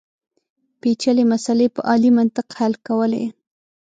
پېچلې مسلې په عالي منطق حل کولې.